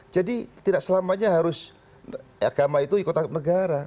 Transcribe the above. jadi tidak selamanya harus agama itu ikut agama negara